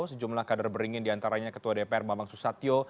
sejumlah kader beringin diantaranya ketua dpr bambang susatyo